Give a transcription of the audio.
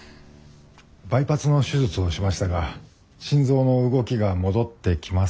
バイパスの手術をしましたが心臓の動きが戻ってきませんでした。